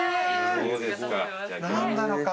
そうですか。